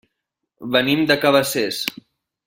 Venim de Cabacés.